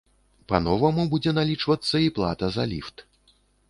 Па-новаму будзе налічвацца і плата за ліфт.